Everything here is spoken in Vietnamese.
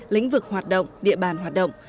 lĩnh vực hoạt động địa bàn hoạt động